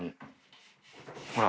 ほら。